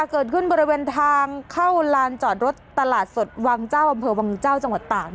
เกิดขึ้นบริเวณทางเข้าลานจอดรถตลาดสดวังเจ้าอำเภอวังเจ้าจังหวัดตาก